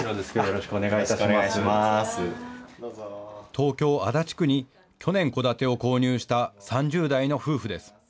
東京足立区に去年、戸建てを購入した３０代の夫婦です。